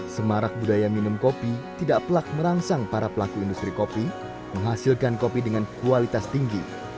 semarak budaya minum kopi tidak pelak merangsang para pelaku industri kopi menghasilkan kopi dengan kualitas tinggi